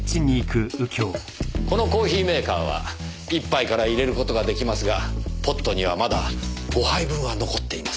このコーヒーメーカーは１杯から淹れる事が出来ますがポットにはまだ５杯分は残っています。